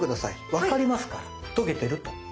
わかりますからとげてると。